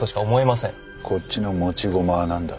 こっちの持ち駒は何だ。